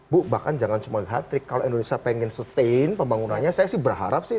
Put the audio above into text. bu bahkan jangan cuma lihat trick kalau indonesia pengen sustain pembangunannya saya sih berharap sih